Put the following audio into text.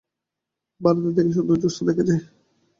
বারান্দা থেকে সুন্দর জোছনা দেখা যায়।